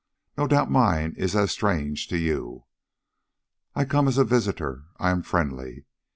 No doubt mine is as strange to you. I come as a visitor I am friendly."